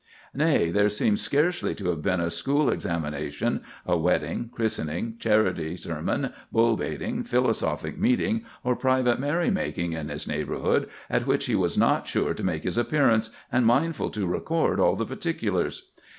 Nay, there seems scarcely to have been a school examination, a wedding, christening, charity sermon, bull baiting, philosophic meeting, or private merrymaking in his neighborhood at which he was not sure to make his appearance, and mindful to record all the particulars."